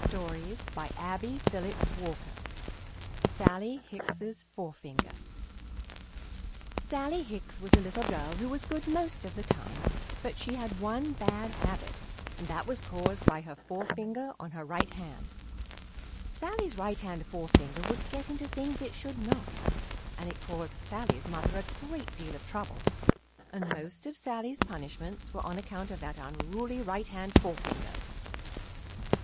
SALLIE HICKS'S FOREFINGER [Illustration: Sallie Hicks's Forefinger] Sallie Hicks was a little girl who was good most of the time, but she had one bad habit, and that was caused by her forefinger on her right hand. Sallie's right hand forefinger would get into things it should not, and it caused Sallie's mother a great deal of trouble, and most of Sallie's punishments were on account of that unruly right hand forefinger.